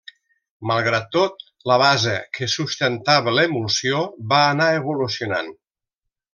Malgrat tot, la base que sustentava l'emulsió va anar evolucionant.